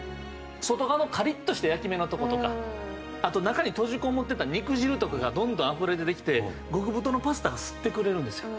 外側のカリッとした焼き目のとことかあと中に閉じこもってた肉汁とかがどんどんあふれ出てきて極太のパスタが吸ってくれるんですよ。